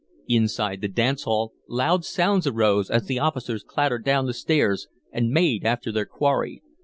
Inside the dance hall loud sounds arose as the officers clattered down the stairs and made after their quarry.